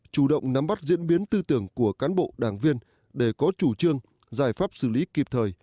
chủ động nắm bắt diễn biến tư tưởng của cán bộ đảng viên để có chủ trương giải pháp xử lý kịp thời